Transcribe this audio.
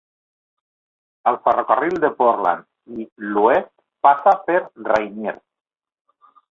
El ferrocarril de Portland i l'Oest passa per Rainier.